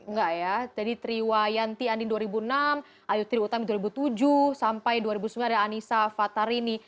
enggak ya jadi triwayanti andin dua ribu enam ayu tri utami dua ribu tujuh sampai dua ribu sembilan ada anissa fatarini